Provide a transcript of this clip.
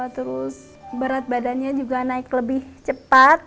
terus berat badannya juga naik lebih cepat